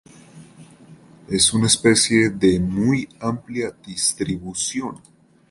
Es una especie de muy amplia distribución.